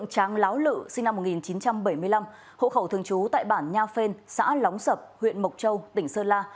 hộ khẩu thường trú tại bản nha phên xã lóng sập huyện mộc châu tỉnh sơn la